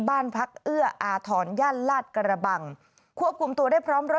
บ้านพักเอื้ออาทรย่านลาดกระบังควบคุมตัวได้พร้อมรถ